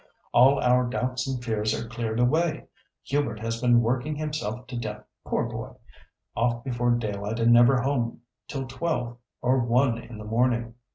"All our doubts and fears are cleared away. Hubert has been working himself to death, poor boy; off before daylight and never home till twelve or one in the morning.